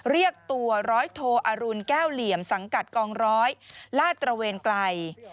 เรียกตัวร้อยโทอรุณแก้วเหลี่ยมสังกัดกองร้อยลาดตระเวนไกล